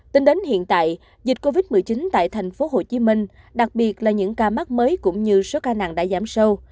tính đến hiện tại dịch covid một mươi chín tại thành phố hồ chí minh đặc biệt là những ca mắc mới cũng như số ca nặng đã giảm sâu